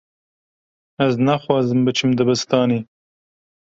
Ez naxwazim biçim dibistanê.